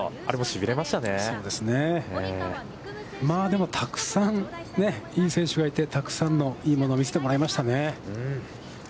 でも、たくさんいい選手がいて、たくさんのいいものを見せてもらいましたね。